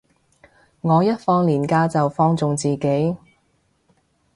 我一放連假就放縱自己